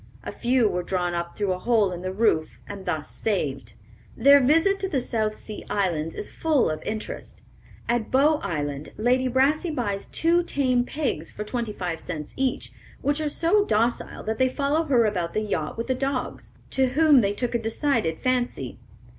A few were drawn up through a hole in the roof and thus saved. Their visit to the South Sea Islands is full of interest. At Bow Island Lady Brassey buys two tame pigs for twenty five cents each, which are so docile that they follow her about the yacht with the dogs, to whom they took a decided fancy.